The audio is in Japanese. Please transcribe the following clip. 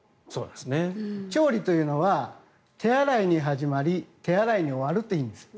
調理というのは手洗いに始まり手洗いに終わるといいんです。